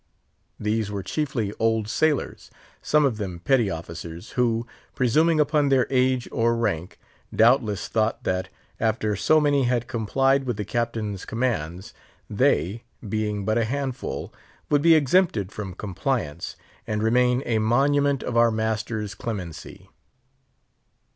These were chiefly old sailors—some of them petty officers—who, presuming upon their age or rank, doubtless thought that, after so many had complied with the Captain's commands, they, being but a handful, would be exempted from compliance, and remain a monument of our master's clemency.